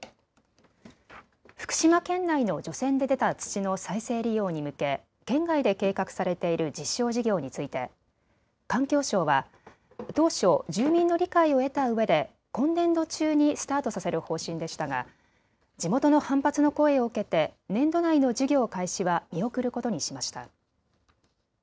福島県内の除染で出た土の再生利用に向け県外で計画されている実証事業について環境省は当初、住民の理解を得たうえで今年度中にスタートさせる方針でしたが地元の反発の声を受けて年度内の事業開始は見送ることにしました。